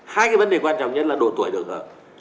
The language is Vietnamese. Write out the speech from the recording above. hai cái vấn đề quan trọng nhất là độ tuổi được hưởng